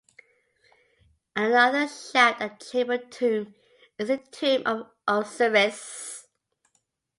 Another shaft and chamber tomb is the Tomb of Osiris.